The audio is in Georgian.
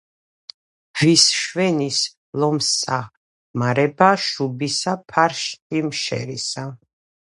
ვის ჰშვენის, - ლომსა, - ხმარება შუბისა, ფარ-შიმშერისა,